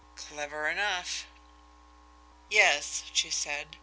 Clever enough!" "Yes," she said.